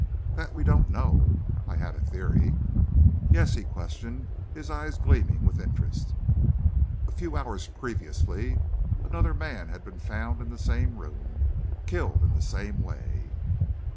"That we don't know. I had a theory...." "Yes?" he questioned, his eyes gleaming with interest. "A few hours previously, another man had been found in the same room, killed in the same way."